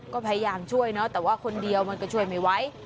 ก็พยายามช่วยเนอะแต่ว่าคนเดียวมันก็ช่วยไม่ไหว